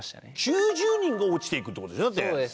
９０人が落ちていくって事でしょ？だって。